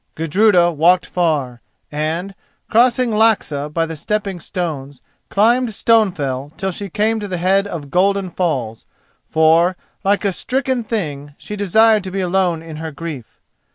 Gudruda walked far, and, crossing Laxà by the stepping stones, climbed Stonefell till she came to the head of Golden Falls, for, like a stricken thing, she desired to be alone in her grief.